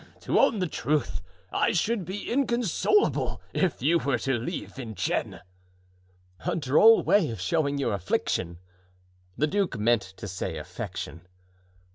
"To own the truth, I should be inconsolable if you were to leave Vincennes." "A droll way of showing your affliction." The duke meant to say "affection."